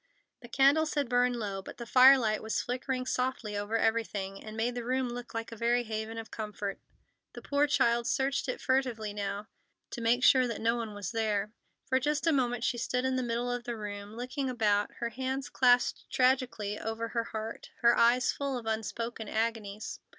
The candles had burned low, but the firelight was flickering softly over everything, and made the room look a very haven of comfort. The poor child searched it furtively now, to make sure that no one was there. For just a moment she stood in the middle of the room, looking about, her hands clasped tragically over her heart, her eyes full of unspoken agonies.